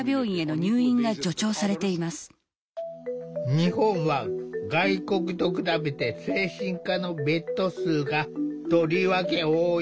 日本は外国と比べて精神科のベッド数がとりわけ多い。